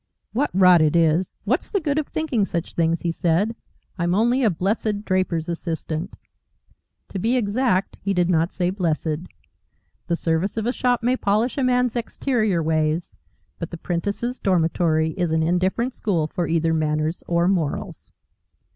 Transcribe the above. "What rot it is! What's the good of thinking such things," he said. "I'm only a blessed draper's assistant." (To be exact, he did not say blessed. The service of a shop may polish a man's exterior ways, but the 'prentices' dormitory is an indifferent school for either manners or morals.)